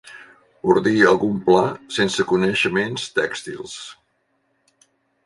Ordir algun pla sense coneixements tèxtils.